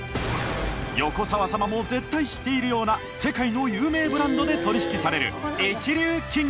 横澤様も絶対知っているような世界の有名ブランドで取引される一流企業。